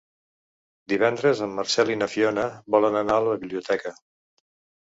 Divendres en Marcel i na Fiona volen anar a la biblioteca.